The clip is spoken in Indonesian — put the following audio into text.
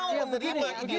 kita ambil mereka saudara kita